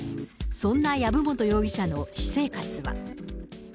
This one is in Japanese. そんな籔本容疑者の私生活は。